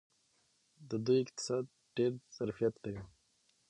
د دوی اقتصاد ډیر ظرفیت لري.